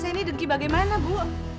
saya ini dengki bagaimana bu